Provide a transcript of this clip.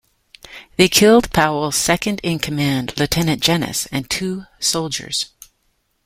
They killed Powell's second-in-command, Lt. Jenness, and two soldiers.